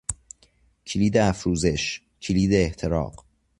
کلید افروزش، کلید احتراق